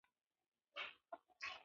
علم د تفکر او تحلیل ځواک پیاوړی کوي .